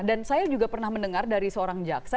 dan saya juga pernah mendengar dari seorang jaksa